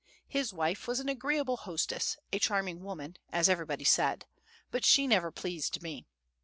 His wife was an agreeable hostess, a charming woman, as everybody said; but she never pleased me.